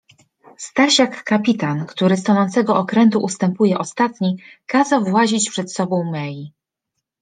Staś jak kapitan, który z tonącego okrętu ustępuje ostatni, kazał włazić przed sobą Mei.